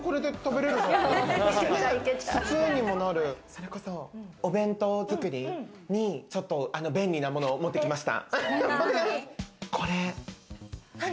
それこそ、お弁当作りに便利なものを持ってきました。